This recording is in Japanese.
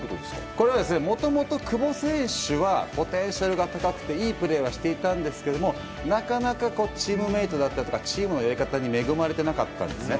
これは、もともと久保選手はポテンシャルが高くていいプレーはしていたんですがなかなかチームメートだったりチームのやり方に恵まれていなかったんですね。